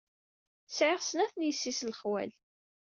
Sɛiɣ snat n yessi-s n lexwal.